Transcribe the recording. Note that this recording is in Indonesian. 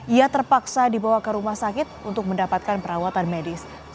ia terpaksa dibawa ke rumah sakit untuk mendapatkan perawatan medis